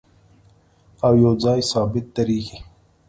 او یو ځای ثابت درېږي